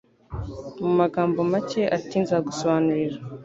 Mu magambo make ati Nzagusobanurira